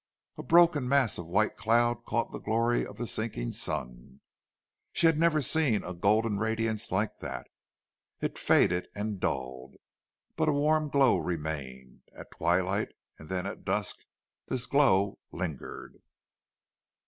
A broken mass of white cloud caught the glory of the sinking sun. She had never seen a golden radiance like that. It faded and dulled. But a warm glow remained. At twilight and then at dusk this glow lingered.